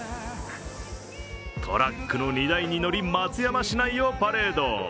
トラックの荷台に乗り松山市内をパレード。